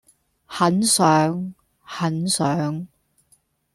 很想....很想....